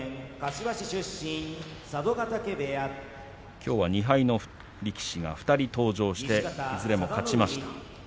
きょうは２敗の力士が２人登場していずれも勝ちました。